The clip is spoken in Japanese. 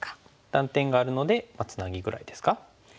断点があるのでツナギぐらいですか。